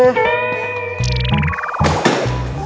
aduh aduh aduh aduuh